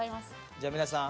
じゃあ皆さん。